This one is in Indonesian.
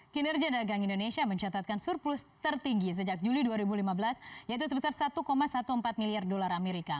kinerja dagang indonesia mencatatkan surplus tertinggi sejak juli dua ribu lima belas yaitu sebesar satu empat belas miliar dolar amerika